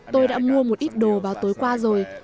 tôi đã mua một ít đồ vào tối qua rồi